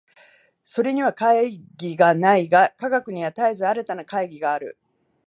それには懐疑がないが、科学には絶えず新たな懐疑がある。